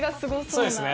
そうですね。